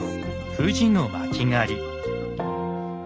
富士の巻狩。